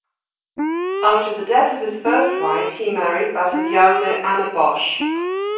After the death of his first wife, he married Bataviase Anna Bosch.